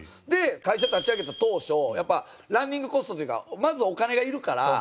で会社立ち上げた当初やっぱランニングコストというかまずお金がいるから。